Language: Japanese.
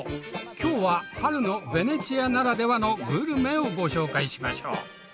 今日は春のベネチアならではのグルメをご紹介しましょう。